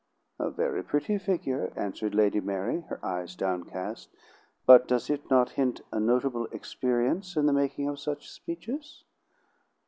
"A very pretty figure," answered Lady Mary, her eyes downcast. "But does it not hint a notable experience in the making of such speeches?"